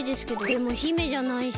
でも姫じゃないし。